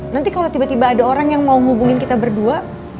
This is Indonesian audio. nanti kalau tiba tiba ada orang yang mau hubungin kita berdua